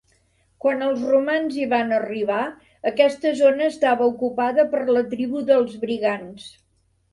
Quan els romans hi van arribar, aquesta zona estava ocupada per la tribu dels brigants.